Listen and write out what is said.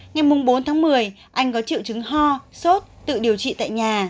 ngày bốn tháng một mươi anh có triệu chứng ho sốt tự điều trị tại nhà